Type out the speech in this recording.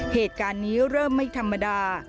เหตุการณ์นี้เริ่มไม่ธรรมดา